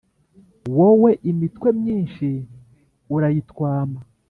wowe imitwe myinshi urayitwama